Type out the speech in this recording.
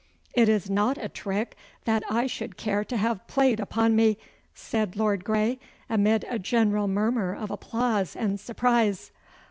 'It is not a trick that I should care to have played upon me,' said Lord Grey, amid a general murmur of applause and surprise.